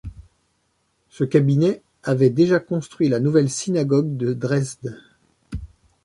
Ce cabinet avait déjà construit la nouvelle synagogue de Dresde.